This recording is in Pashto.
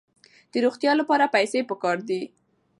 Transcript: د روغتیا لپاره پیسې پکار دي.